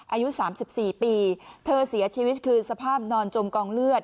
อายุ๓๔ปีเธอเสียชีวิตคือสภาพนอนจมกองเลือด